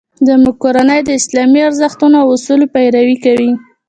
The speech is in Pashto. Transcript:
زموږ کورنۍ د اسلامي ارزښتونو او اصولو پیروي کوي